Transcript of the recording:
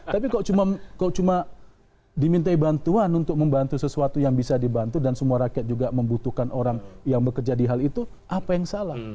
tapi kok cuma dimintai bantuan untuk membantu sesuatu yang bisa dibantu dan semua rakyat juga membutuhkan orang yang bekerja di hal itu apa yang salah